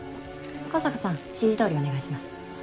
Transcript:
向坂さん指示どおりお願いします。